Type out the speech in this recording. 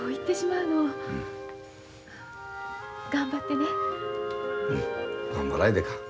うん頑張らいでか。